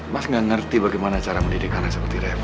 mas gak ngerti bagaimana cara mendidik anak seperti reva